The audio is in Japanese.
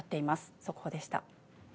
速報でした。